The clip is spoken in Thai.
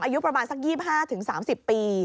อายุประมาณสัก๒๕๓๐ปี